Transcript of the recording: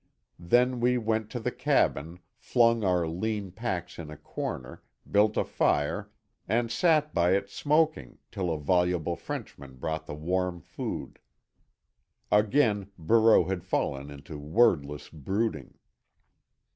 Then we went to the cabin, flung our lean packs in a corner, built a fire, and sat by it smoking till a voluble Frenchman brought the warm food. Again Barreau had fallen into wordless brooding.